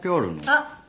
あっ！